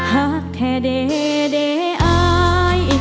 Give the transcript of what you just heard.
หากแท้เด้เด้อาย